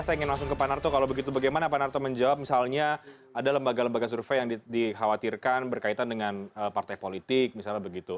saya ingin langsung ke pak narto kalau begitu bagaimana pak narto menjawab misalnya ada lembaga lembaga survei yang dikhawatirkan berkaitan dengan partai politik misalnya begitu